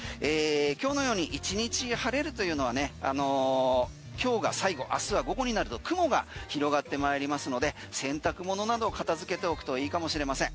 今日のように１日晴れるというのは今日が最後、明日は午後になると雲が広がってまいりますので洗濯物などを片付けておくといいかもしれません。